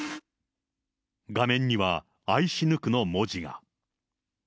画面には愛し抜くの文字が。